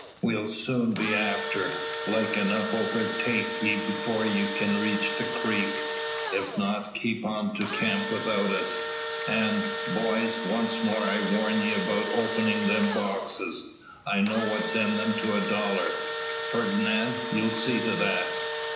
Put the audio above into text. We'll soon be after, like enough overtake ye 'fore you can reach the creek. If not, keep on to camp without us. An', boys; once more I warn ye about openin' them boxes. I know what's in them to a dollar. Fernand! you'll see to that."